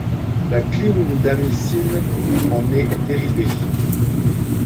La clindamycine en est dérivée.